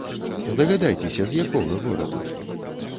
Здагадайцеся, з якога гораду?